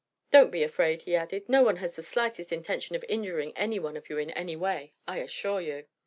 "Don't be afraid," he added. "No one has the slightest intention of injuring any of you in any way, I assure you."